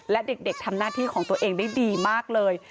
และเด็กทำหน้าที่ของตัวเองได้ดีมากเลย